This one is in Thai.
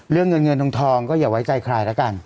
เรื่องเงินเงินทองก็อย่าไว้ใจใครแล้วกัน